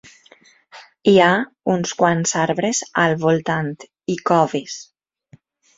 Hi ha uns quants arbres al voltant i coves.